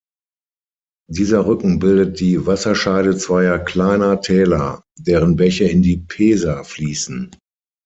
Dieser Rücken bildet die Wasserscheide zweier kleiner Täler, deren Bäche in die Pesa fließen.